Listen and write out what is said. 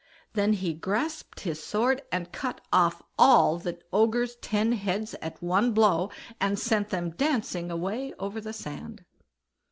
Then he grasped his sword, and cut off all the Ogre's ten heads at one blow, and sent them dancing away over the sand.